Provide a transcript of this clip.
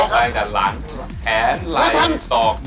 ตัวจะสั่งถึงตัว